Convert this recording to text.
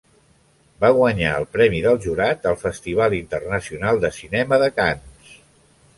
Va guanyar el Premi del Jurat al Festival Internacional de Cinema de Canes.